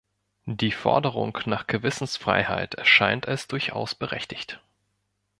Die Forderung nach Gewissensfreiheit erscheint als durchaus berechtigt.